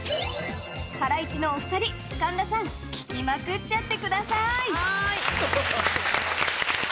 ハライチのお二人、神田さん聞きまくっちゃってください！